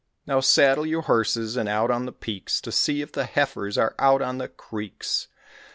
"Now saddle your horses and out on the peaks To see if the heifers are out on the creeks."